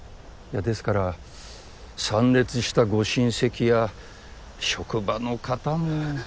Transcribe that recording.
ですから参列したご親戚や職場の方も。